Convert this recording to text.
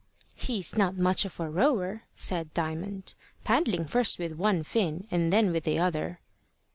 "He's not much of a rower" said Diamond "paddling first with one fin and then with the other."